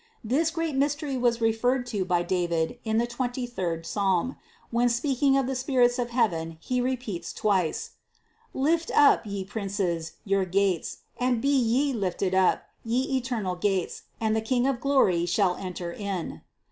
This great mystery was referred to by David in the twenty third psalm, when speaking of the spirits of heaven he repeats twice "Lift up, ye princes, your gates ; and be ye lifted up, ye eternal gates, and the King of Glory shall enter in."